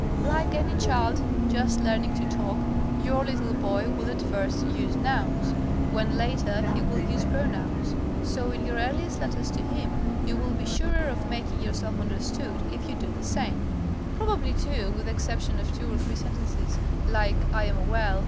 Like any child just learning to talk, your little boy will at first use nouns, when later he will use pronouns, so in your earliest letters to him you will be surer of making yourself understood if you do the same. Probably, too, with the exception of two or three sentences like "I am well.